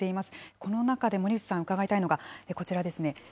この中で森内さんに伺いたいのがこちらですね。